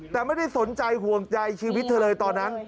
แต่ไม่ได้สนใจห่วงใจชีวิตเธอเลยตอนนั้น